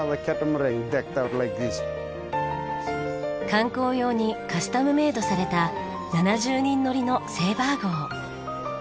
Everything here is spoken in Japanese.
観光用にカスタムメイドされた７０人乗りのセイバー号。